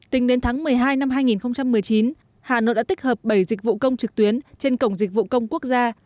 tính đến tháng một mươi hai năm hai nghìn một mươi chín hà nội đã tích hợp bảy dịch vụ công trực tuyến trên cổng dịch vụ công quốc gia